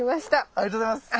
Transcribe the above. ありがとうございます。